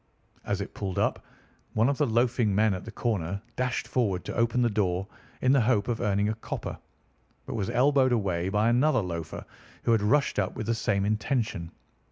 As it pulled up, one of the loafing men at the corner dashed forward to open the door in the hope of earning a copper, but was elbowed away by another loafer, who had rushed up with the same intention.